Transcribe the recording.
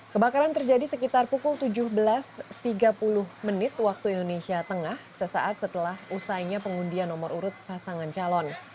kebakaran terjadi sekitar pukul tujuh belas tiga puluh menit waktu indonesia tengah sesaat setelah usainya pengundian nomor urut pasangan calon